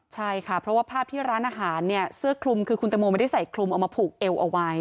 ใช่ค่ะเพราะว่าภาพที่ร้านอาหารเนี่ยเสื้อคลุมคือคุณตังโมไม่ได้ใส่คลุมเอามาผูกเอวเอาไว้